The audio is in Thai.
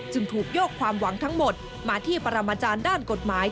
ถูกโยกความหวังทั้งหมดมาที่ปรมาจารย์ด้านกฎหมาย